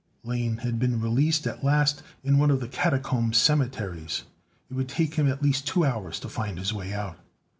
Lane had been released at last, in one of the catacomb cemeteries. It would take him at least two hours to find his way out.